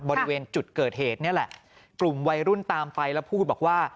บริเวณจุดเกิดเหตุนี่แหละกลุ่มวัยรุ่นตามไปแล้วพูดบอกว่า